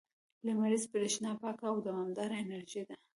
• لمریزه برېښنا پاکه او دوامداره انرژي ده.